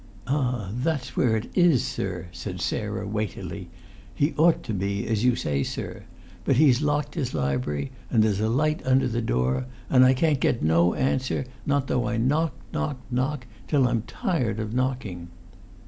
"Ah, that's where it is, sir!" said Sarah, weightily. "He ought to be, as you say, sir. But he's locked his lib'ry, and there's a light under the door, and I can't get no answer, not though I knock, knock, knock, till I'm tired of knocking!"